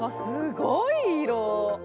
すごい色！